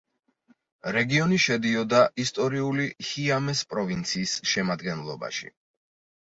რეგიონი შედიოდა ისტორიული ჰიამეს პროვინციის შემადგენლობაში.